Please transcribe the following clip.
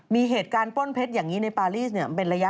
มีเหตุการณ์ป้นเพชรอย่างนี้ในปารีสเป็นระยะ